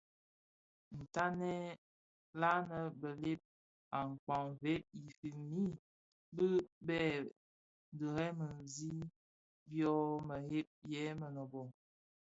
Ntanyèn nlanèn bëlëk a kpaň veg i fikpmid mbi bè dheremzi byō mëghei yè mënōbō.